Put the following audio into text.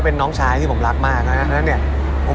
เป็นน้องชายที่ผมรักมากนะเนี่ย